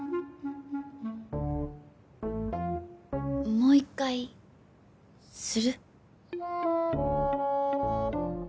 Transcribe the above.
もう一回する？